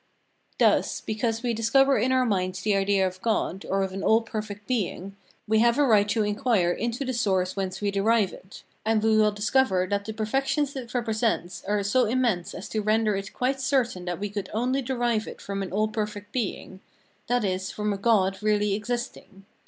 Thus, because we discover in our minds the idea of God, or of an all perfect Being, we have a right to inquire into the source whence we derive it; and we will discover that the perfections it represents are so immense as to render it quite certain that we could only derive it from an all perfect Being; that is, from a God really existing.